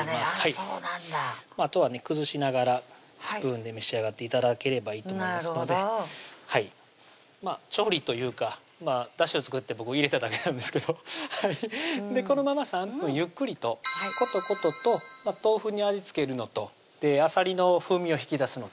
そうなんだあとはね崩しながらスプーンで召し上がって頂ければいいと思いますので調理というかだしを作って僕入れただけなんですけどこのまま３分ゆっくりとことことと豆腐に味付けるのとあさりの風味を引き出すのとで